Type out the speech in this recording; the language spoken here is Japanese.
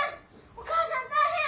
お母さん大変！